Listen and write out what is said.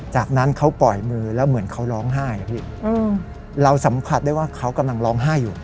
จากนั้นเขาปล่อยมือแล้วเหมือนเขาร้องไห้อะพี่เราสัมผัสได้ว่าเขากำลังร้องไห้อยู่